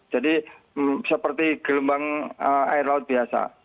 jadi seperti gelombang air laut biasa